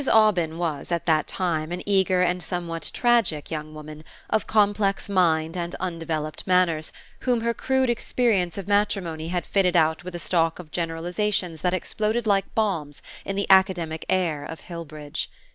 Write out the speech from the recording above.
Aubyn was at that time an eager and somewhat tragic young woman, of complex mind and undeveloped manners, whom her crude experience of matrimony had fitted out with a stock of generalizations that exploded like bombs in the academic air of Hillbridge.